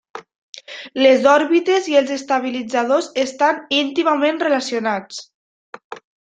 Les òrbites i els estabilitzadors estan íntimament relacionats.